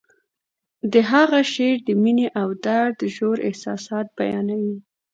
د هغه شعر د مینې او درد ژور احساسات بیانوي